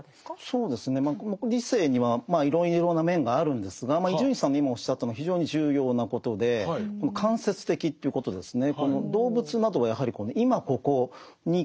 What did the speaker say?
そうですねまあ理性にはいろいろな面があるんですが伊集院さんの今おっしゃったのは非常に重要なことでこの間接的ということですね。